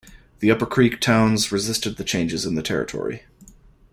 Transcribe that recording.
The Upper Creek towns resisted the changes in the territory.